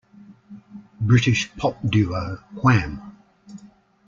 British pop duo Wham!